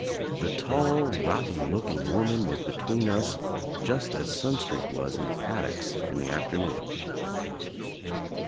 The tall rotten looking woman was between us just as Sunstreak was in the paddocks in the afternoon.